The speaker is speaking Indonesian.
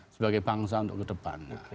sebagai bangsa untuk kedepannya